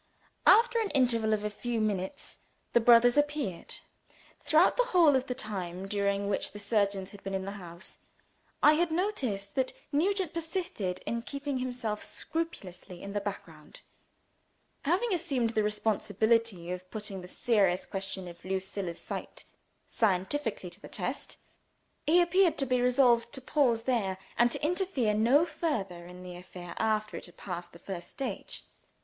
After an interval of a few minutes, the brothers appeared. Throughout the whole of the time during which the surgeons had been in the house, I had noticed that Nugent persisted in keeping himself scrupulously in the background. Having assumed the responsibility of putting the serious question of Lucilla's sight scientifically to the test, he appeared to be resolved to pause there, and to interfere no further in the affair after it had passed its first stage.